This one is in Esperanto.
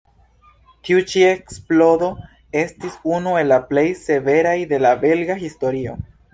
Tiu ĉi eksplodo estis unu el la plej severaj de la belga historio.